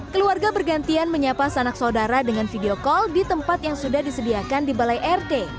keluarga bergantian menyapa sanak saudara dengan video call di tempat yang sudah disediakan di balai rt